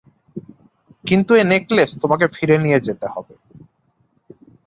কিন্তু এ নেকলেস তোমাকে ফিরে নিয়ে যেতে হবে।